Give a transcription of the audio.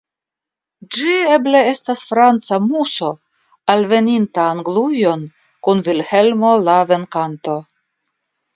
Ĝi eble estas franca muso alveninta Anglujon kun Vilhelmo la Venkanto.